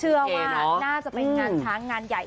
เชื่อว่าน่าจะเป็นงานช้างงานใหญ่